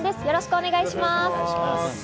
よろしくお願いします。